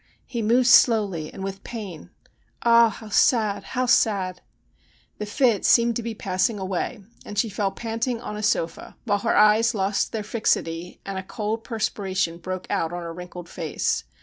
He moves slowly, and with pain. Ah ! how sad, how sad !' The fit seemed to be passing away, and she fell panting on a sofa, while her eyes lost their fixity, and a cold per spiration broke out on her wrinkled face.